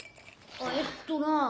えっとな。